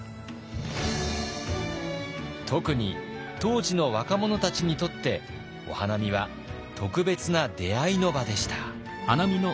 特に当時の若者たちにとってお花見は特別な出会いの場でした。